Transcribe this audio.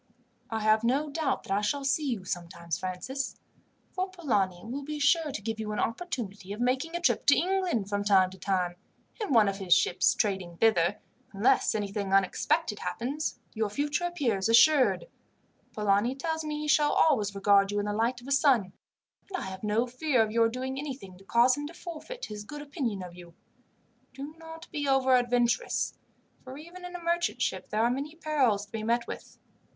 "I have no doubt that I shall see you sometimes, Francis; for Polani will be sure to give you an opportunity of making a trip to England, from time to time, in one of his ships trading thither. Unless anything unexpected happens, your future appears assured. Polani tells me he shall always regard you in the light of a son; and I have no fear of your doing anything to cause him to forfeit his good opinion of you. Do not be over adventurous, for even in a merchant ship there are many perils to be met with.